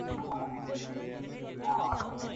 কলকাতা কি শহর, এ তো একটা বাজার!